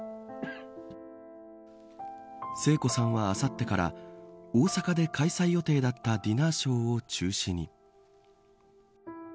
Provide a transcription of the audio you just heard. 聖子さんはあさってから大阪で開催予定だったディナーショーを中止に。